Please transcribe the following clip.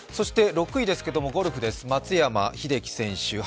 ６位ですけど、ゴルフです、松山英樹選手